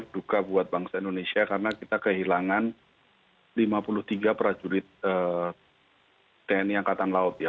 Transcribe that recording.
duka buat bangsa indonesia karena kita kehilangan lima puluh tiga prajurit tni angkatan laut ya